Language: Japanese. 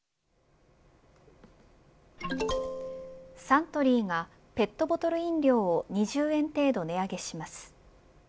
サントリーがペットボトル飲料を２０円程度値上げします。